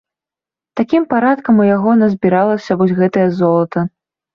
Такім парадкам у яго назбіралася вось гэтае золата.